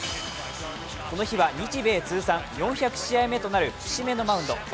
この日は日米４００試合目となる節目のマウンド。